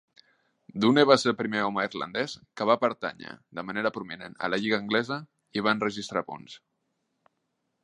Dunne va ser el primer home irlandès que va pertànyer de manera prominent a la lliga anglesa i va enregistrar punts.